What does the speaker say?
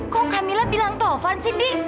kok kamilah bilang taufan sih di